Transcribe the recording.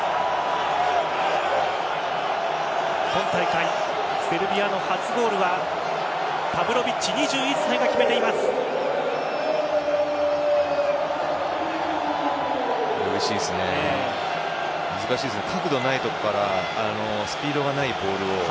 今大会、セルビアの初ゴールはパヴロヴィッチ、２１歳がうれしいですね。